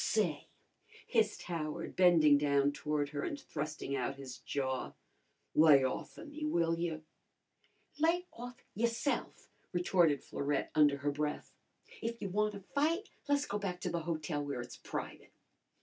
"Say," hissed Howard, bending down toward her and thrusting out his jaw, "lay off o' me, will yer?" "Lay off yourse'f!" retorted Florette under her breath. "If you wanna fight le's go back to the hotel where it's private."